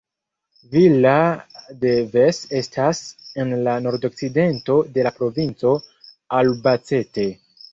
Villa de Ves estas en la nordokcidento de la provinco Albacete.